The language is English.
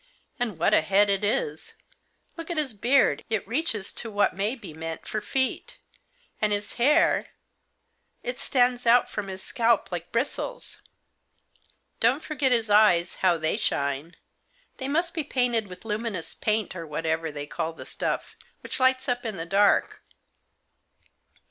And what a head it is ! Look at his beard, it reaches to what may be meant for feet. And his hair, it stands out from his scalp like bristles." " Don't forget his eyes, how they shine. They must be painted with luminous paint, or whatever they call the stuff, which lights up in the dark.